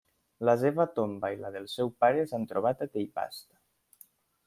La seva tomba i la del seu pare s'han trobat a Tell Basta.